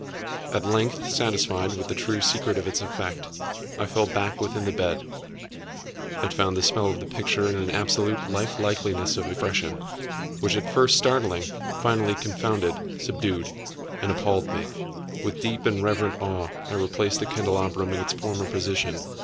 At length, satisfied with the true secret of its effect, I fell back within the bed. I had found the spell of the picture in an absolute life likeliness of expression, which, at first startling, finally confounded, subdued, and appalled me. With deep and reverent awe I replaced the candelabrum in its former position.